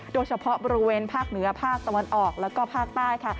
โดยเฉพาะบริเวณภาคเหนือภาคตะวันออกแล้วก็ภาคใต้ค่ะ